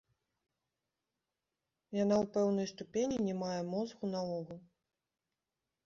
Яна ў пэўнай ступені не мае мозгу наогул.